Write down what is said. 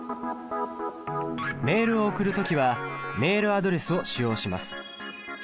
メールを送る時はメールアドレスを使用します。